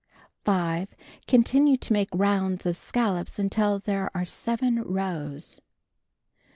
5. Continue to make rounds of scallops until there are 7 rows.